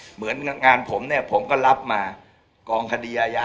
เหมือนงานผมเนี่ยผมก็รับมากองคดีอาญา